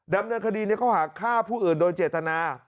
ดำเนินคดีในข้อหาฆ่าผู้อื่นโดยเจตนา